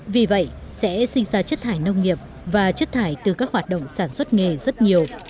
vì vậy sẽ sinh ra chất thải nông nghiệp và chất thải từ các hoạt động sản xuất nghề rất nhiều